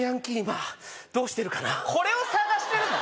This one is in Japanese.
今どうしてるかなこれを探してるの？